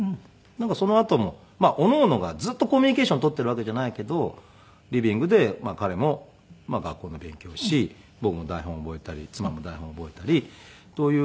そのあともおのおのがずっとコミュニケーションを取っているわけじゃないけどリビングで彼も学校の勉強をし僕も台本を覚えたり妻も台本を覚えたりという。